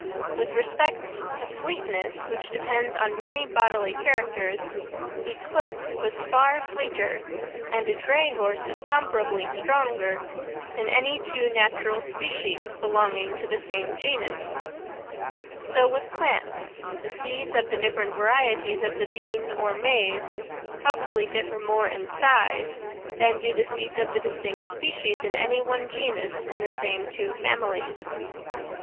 With respect to fleetness, which depends on many bodily characters, Eclipse was far fleeter, and a dray horse is comparably stronger, than any two natural species belonging to the same genus. So with plants, the seeds of the different varieties of the bean or maize probably differ more in size than do the seeds of the distinct species in any one genus in the same two families.